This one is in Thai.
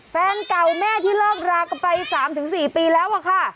แฟนเก่าแม่ที่เลิกรากันไป๓๔ปีแล้วอะค่ะ